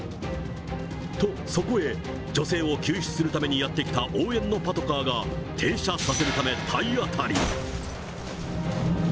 と、そこへ、女性を救出するためにやって来た応援のパトカーが停車させるため、体当たり。